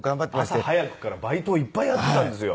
朝早くからバイトをいっぱいやってたんですよ。